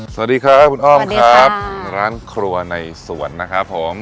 สวัสดีครับคุณอ้อมครับสวัสดีครับร้านครัวในสวรรค์นะครับผม